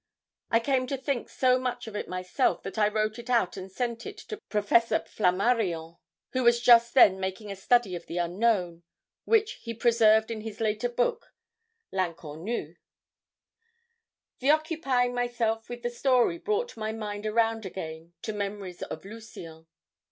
I came to think so much of it myself that I wrote it out and sent it to Professor Flammarion, who was just then making a study of the Unknown, which he preserved in his later book 'L'Inconnu.' "The occupying myself with the story brought my mind around again to memories of Lucien.